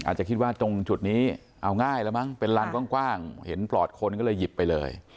อาจจะคิดว่าตรงจุดนี้เอาง่ายแล้วมั้งเป็นลานกว้างเห็นปลอดคนก็เลยหยิบไปเลย